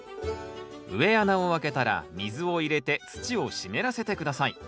植え穴をあけたら水を入れて土を湿らせて下さい。